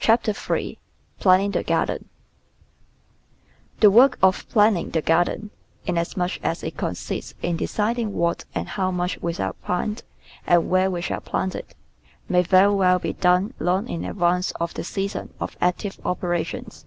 CHAPTER THREE PLANNING THE GARDEN 1 HE work of planning the garden — inasmuch as it consists in deciding what and how much we shall plant and where we shall plant it — may very well be done long in advance of the season of active operations.